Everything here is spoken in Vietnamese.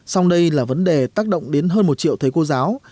song đây là vấn đề tác động đến hơn một triệu thầy cô giáo